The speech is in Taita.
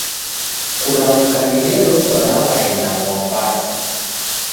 Kuramka nideloswa naw'aenda Mwambasa.